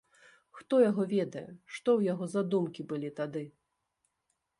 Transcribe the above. Хто яго ведае, што ў яго за думкі былі тады.